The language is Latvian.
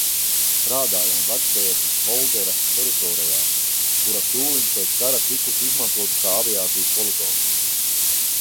Strādājām Vecbērzes poldera teritorijā, kura tūliņ pēc kara tikusi izmantota kā aviācijas poligons.